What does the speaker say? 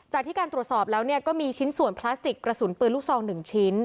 จากการตรวจสอบแล้วก็มีชิ้นส่วนพลาสติกกระสุนปืนลูกซอง๑ชิ้น